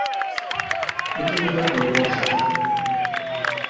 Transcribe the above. এটি মূলত বর্ষাকাল।